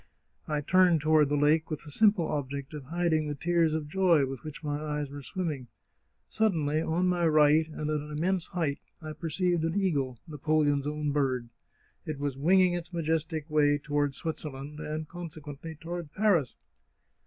I turned toward the lake with the simple object of hiding the tears of joy with which my eyes were swimming. Suddenly, on my right, and at an immense height, I perceived an eagle. Na poleon's own bird; it was winging its majestic way toward Switzerland, and consequently toward Paris.